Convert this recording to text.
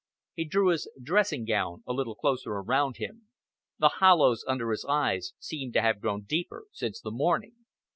He drew his dressing gown a little closer around him. The hollows under his eyes seemed to have grown deeper since the morning.